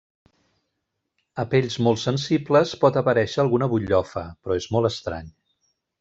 A pells molt sensibles pot aparèixer alguna butllofa, però és molt estrany.